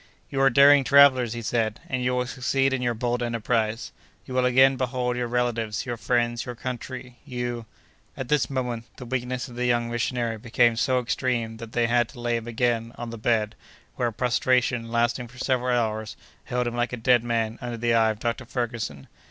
"You are daring travellers!" he said, "and you will succeed in your bold enterprise. You will again behold your relatives, your friends, your country—you—" At this moment, the weakness of the young missionary became so extreme that they had to lay him again on the bed, where a prostration, lasting for several hours, held him like a dead man under the eye of Dr. Ferguson.